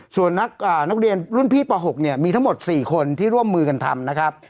ส่วนนักเรียนรุ่นพี่ป๖เนี่ยมีทั้งหมด๔คนที่ร่วมมือกันทำนะครับ